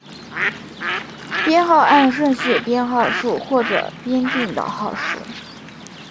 编号按顺序编号数或者编定的号数。